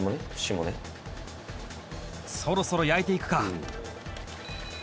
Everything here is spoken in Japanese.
「そろそろ焼いていくか？」